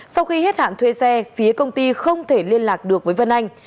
sau khi hết hạn thuê xe phía công ty không thể liên lạc được với vân anh